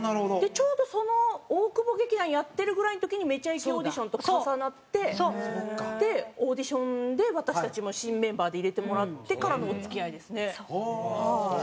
ちょうどその大久保劇団やってるぐらいの時に『めちゃイケ』オーディションと重なってでオーディションで私たちも新メンバーで入れてもらってからのお付き合いですねはい。